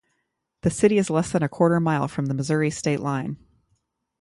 The city is less than a quarter mile from the Missouri state line.